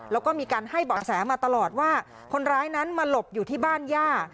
แล้วก็มีการให้เบาะแสมาตลอดว่าคนร้ายนั้นมาหลบอยู่ที่บ้านย่า